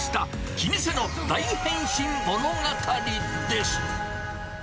老舗の大変身物語です。